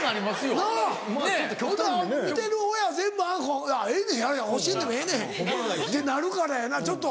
なぁほんなら見てる親全部ええねん教えんでもええねんってなるからやなちょっと。